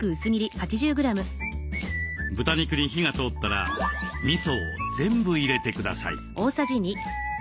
豚肉に火が通ったらみそを全部入れてください。